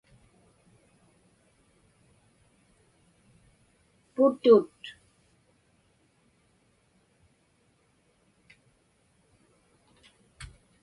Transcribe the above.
putut